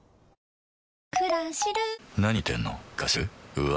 うわ！